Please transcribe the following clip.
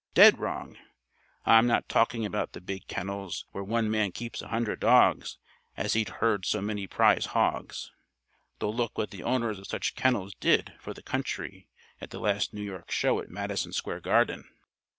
Dead wrong. I'm not talking about the big kennels where one man keeps a hundred dogs as he'd herd so many prize hogs. Though look what the owners of such kennels did for the country at the last New York show at Madison Square Garden!